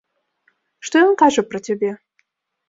Што ён кажа пра цябе.